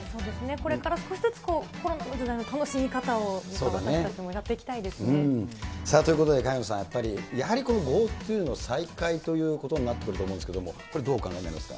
これから少しずつコロナとの楽しみ方を私たちもやっていきたいでということで萱野さん、やっぱり、やはりこのＧｏＴｏの再開ということになってくると思うんですけれども、これ、どうお考えになりますか。